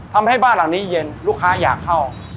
ทำให้บ้านหลังนี้เย็นลูกค้าอยากเข้า